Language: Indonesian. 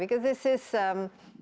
karena ini adalah